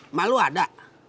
emak lu ada